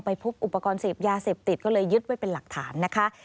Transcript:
พบอุปกรณ์เสพยาเสพติดก็เลยยึดไว้เป็นหลักฐานนะคะ